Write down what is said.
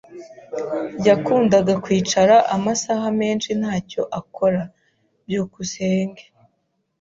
Yakundaga kwicara amasaha menshi ntacyo akora. byukusenge